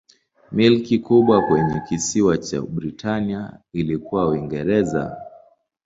Milki kubwa kwenye kisiwa cha Britania ilikuwa Uingereza.